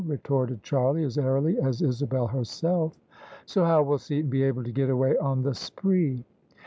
re torted Charlie as airily as Isabel herself. " So how will Seaton be able to get away on the spree?